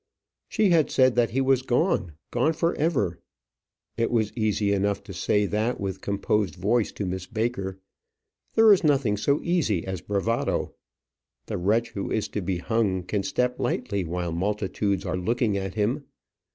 She had said that he was gone, gone for ever. It was easy enough to say that with composed voice to Miss Baker. There is nothing so easy as bravado. The wretch who is to be hung can step lightly while multitudes are looking at him.